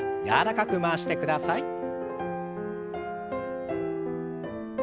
柔らかく回してください。